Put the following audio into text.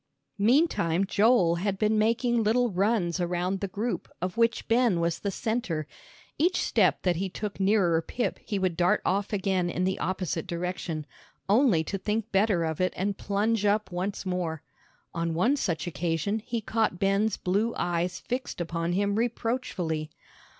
Meantime Joel had been making little runs around the group of which Ben was the centre; each step that he took nearer Pip he would dart off again in the opposite direction, only to think better of it and plunge up once more. On one such occasion he caught Ben's blue eyes fixed upon him reproachfully.